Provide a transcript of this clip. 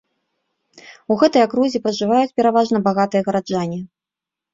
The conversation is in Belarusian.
У гэтай акрузе пражываюць пераважна багатыя гараджане.